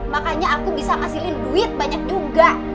makanya aku bisa ngasilin duit banyak juga